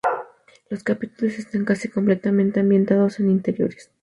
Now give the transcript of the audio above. Los capítulos están casi completamente ambientados en interiores.